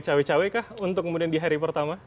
cawek cawek kah untuk kemudian di hari pertama